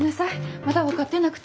まだ分かってなくて。